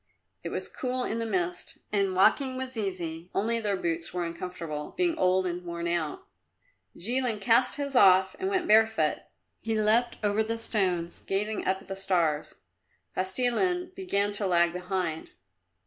It was cool in the mist and walking was easy, only their boots were uncomfortable, being old and worn out. Jilin cast his off and went bare foot. He leapt over the stones, gazing up at the stars. Kostilin began to lag behind.